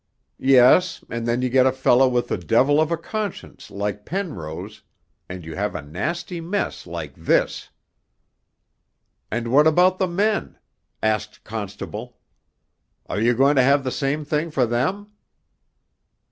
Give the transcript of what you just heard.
'Yes, and then you get a fellow with the devil of a conscience like Penrose and you have a nasty mess like this.' 'And what about the men?' asked Constable. 'Are you going to have the same thing for them?'